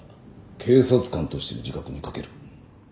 警察官としての自覚に欠ける。